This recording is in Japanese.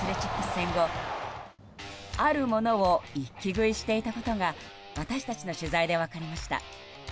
戦後あるものを一気食いしていたことが私たちの取材で分かりました。